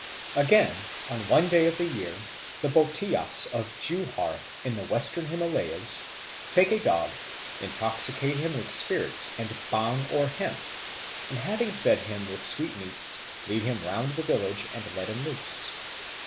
Again, on one day of the year the Bhotiyas of Juhar, in the Western Himalayas, take a dog, intoxicate him with spirits and bhang or hemp, and having fed him with sweetmeats, lead him round the village and let him loose.